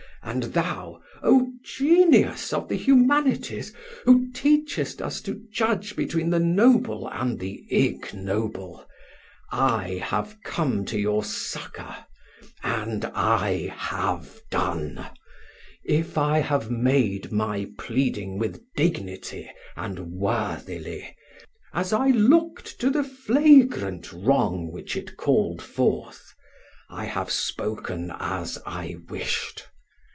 and thou, O genius of the humanities, who teachest us to judge between the noble and the ignoble, I have come to your succor and I have done. If I have made my pleading with dignity and worthily, as I looked to the flagrant wrong which called it forth, I have spoken as I wished.